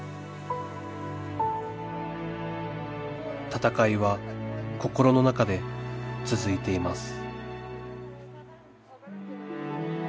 闘いは心の中で続いています